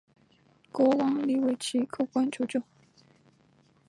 国王黎维祁叩关求救。